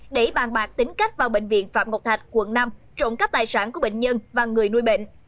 để bàn bạc tính cách vào bệnh viện phạm ngọc thạch quận năm trộm cắp tài sản của bệnh nhân và người nuôi bệnh